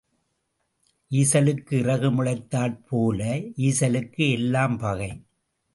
ஈசலுக்கு இறகு முளைத்தாற் போல, ஈசலுக்கு எல்லாம் பகை.